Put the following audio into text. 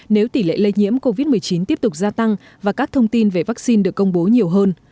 nếu tỷ lệ lây nhiễm covid một mươi chín tiếp tục gia tăng và các thông tin về vaccine được công bố nhiều hơn